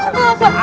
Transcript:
ustadz tadi ada